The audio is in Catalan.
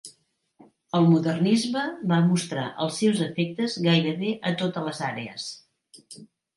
El modernisme va mostrar els seus efectes gairebé a totes les àrees.